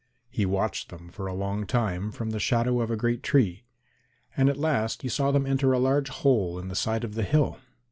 He watched them for a long time from the shadow of a great tree, and at last he saw them enter a large hole in the side of the hill.